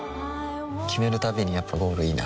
決めるたびにやっぱゴールいいなってふん